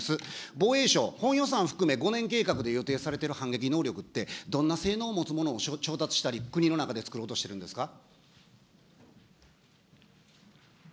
防衛省、本予算を含め５年計画で予定されている反撃能力って、どんな性能を持つものを調達したり、国の中でつくろうとしてるんですか。